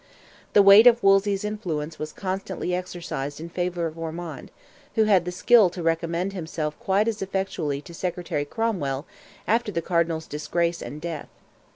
The weight of Wolsey's influence was constantly exercised in favour of Ormond, who had the skill to recommend himself quite as effectually to Secretary Cromwell, after the Cardinal's disgrace and death.